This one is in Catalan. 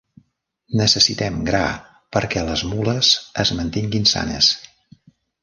Necessitem gra perquè les mules es mantinguin sanes.